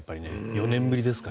４年ぶりですから。